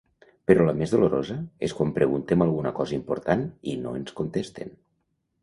Però la més dolorosa és quan preguntem alguna cosa important i no ens contesten.